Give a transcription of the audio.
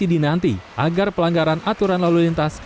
diadakan untuk melakukan pelanggaran lalu lintas